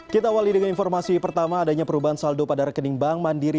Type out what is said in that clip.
kita awali dengan informasi pertama adanya perubahan saldo pada rekening bank mandiri